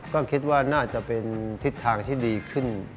ก็คิดว่าน่าจะเป็นทิศทางที่ดีขึ้น